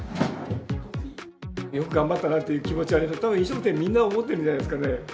よく頑張ったなという気持ち、たぶん飲食店、みんな思ってるんじゃないですかね。